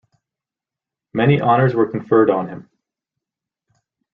Many honours were conferred on him.